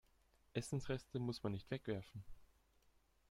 Essensreste muss man nicht wegwerfen.